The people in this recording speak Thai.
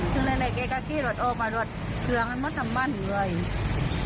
ซึ่งเลยเลยเขาก็เดินไปเอารถทางนั้นเลยว่ะ